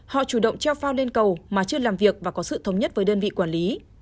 họ chủ động treo phao lên cầu mà chưa làm việc và có sự thống nhất với đơn vị quản lý